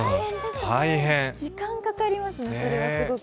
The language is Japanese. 時間かかりますね、それはすごく。